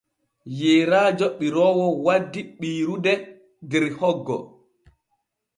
Yeerajo ɓiroowo wandi ɓiirude der hoggo.